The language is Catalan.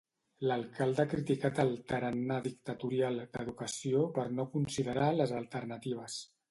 L'alcalde ha criticat el "tarannà dictatorial" d'Educació per no considerar les alternatives.